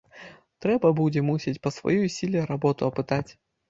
Трэба будзе, мусіць, па сваёй сіле работу апытаць.